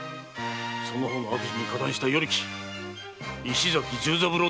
その方の悪事に加担した与力・石崎十三郎